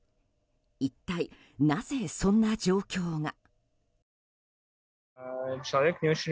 一体なぜ、そんな状況が。